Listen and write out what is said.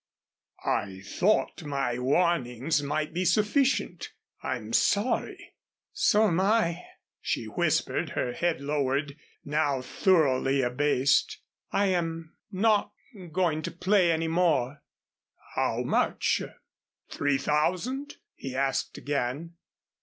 "I thought my warning might be sufficient. I'm sorry " "So am I," she whispered, her head lowered, now thoroughly abased. "I am not going to play any more." "How much three thousand?" he asked again.